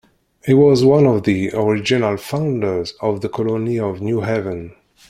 He was one of the original founders of the Colony of New Haven.